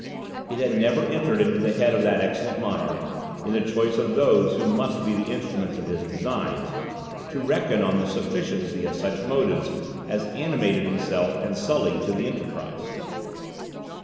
It had never entered into the head of that excellent monarch, in the choice of those who must be the instruments of his designs, to reckon on the sufficiency of such motives as animated himself and Sully to the enterprise.